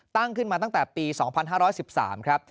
ตั้งขึ้นมาตั้งแต่ปี๒๕๑๓ครับ